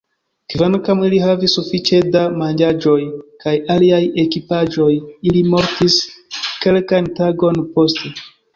Kvankam ili havis sufiĉe da manĝaĵoj kaj aliaj ekipaĵoj, ili mortis kelkajn tagojn poste.